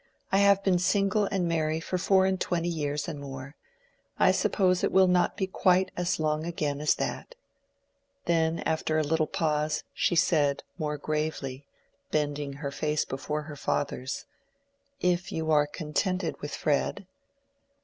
"I have been single and merry for four and twenty years and more: I suppose it will not be quite as long again as that." Then, after a little pause, she said, more gravely, bending her face before her father's, "If you are contented with Fred?"